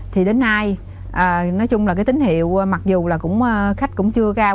thì đến nay nói chung là cái tín hiệu mặc dù là cũng khách cũng chưa cao